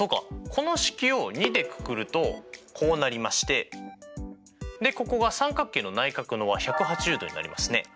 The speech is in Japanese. この式を２でくくるとこうなりましてでここが三角形の内角の和１８０°になりますね。